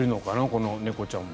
この猫ちゃんも。